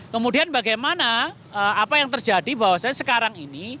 kemudian bagaimana apa yang terjadi bahwa saya sekarang ini